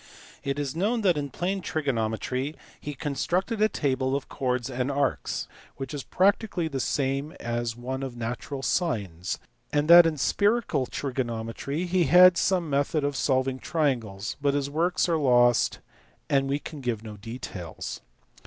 It is known that in plane trigonometry he constructed a table of chords of arcs, which is practically the same as one of natural sines; and that in spherical trigonometry he had some method of solving triangles : but his works are lost, and we can give no details.